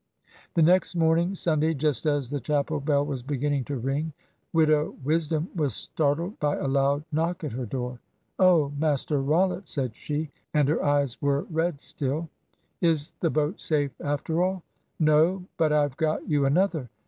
The next morning Sunday just as the chapel bell was beginning to ring, Widow Wisdom was startled by a loud knock at her door. "Oh, Master Rollitt," said she, and her eyes were red still, "is the boat safe after all?" "No; but I've got you another.